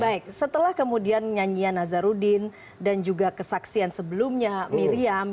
baik setelah kemudian nyanyian nazarudin dan juga kesaksian sebelumnya miriam